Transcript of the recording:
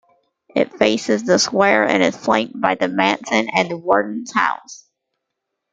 It faces the square and is flanked by the Manse and the Warden's House.